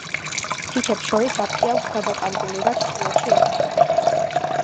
თითებს შორის აპკი აქვს გადაკრული, რაც ცურვაში ეხმარება.